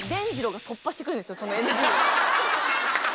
そのＮＧを。